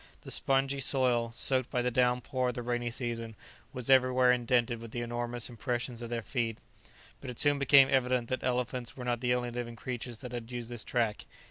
The spongy soil, soaked by the downpour of the rainy season, was everywhere indented with the enormous impressions of their feet. But it soon became evident that elephants were not the only living creatures that had used this track.